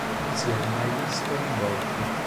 Non si è mai visto in volto.